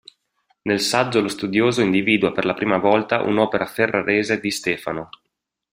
Nel saggio lo studioso individua per la prima volta un'opera ferrarese di Stefano.